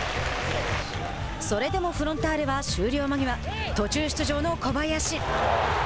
それでもフロンターレは終了間際途中出場の小林。